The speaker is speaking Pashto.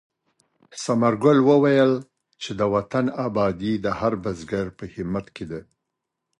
ثمر ګل وویل چې د وطن ابادي د هر بزګر په همت کې ده.